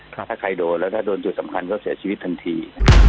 ถ้าใครโดนแล้วถ้าโดนจุดสำคัญก็เสียชีวิตทันที